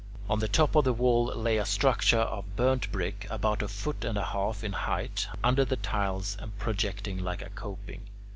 On the top of the wall lay a structure of burnt brick, about a foot and a half in height, under the tiles and projecting like a coping.